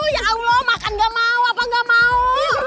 ya allah makan gak mau apa nggak mau